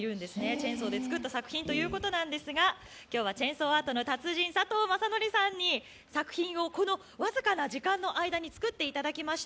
チェンソーでつくった作品ということなんですがチェンソーアートの達人佐藤優則さんに作品をこの僅かな時間の間に作っていただきました。